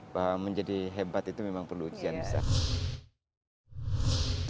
bahwa menjadi hebat itu memang perlu ujian besar